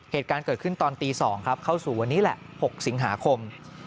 เหตุการณ์เกิดขึ้นตอนตี๒ครับเข้าสู่วันนี้แหละ๖สิงหาคม